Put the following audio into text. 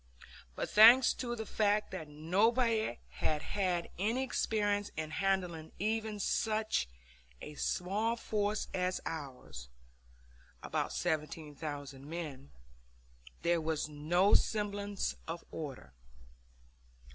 But, thanks to the fact that nobody had had any experience in handling even such a small force as ours about 17,000 men there was no semblance of order.